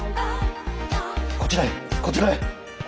こちらへこちらへ。